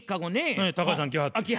高橋さん来はったんや。